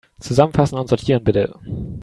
Zusammenfassen und sortieren, bitte.